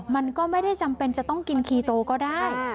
มันก็ไม่ได้จำเป็นจะต้องกินคีโตก็ได้